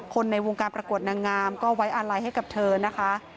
ในวงการประกวดนางงามก็ไว้อาลัยให้กับเธอนะคะ